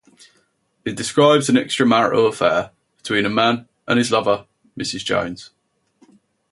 It describes an extramarital affair between a man and his lover, Mrs. Jones.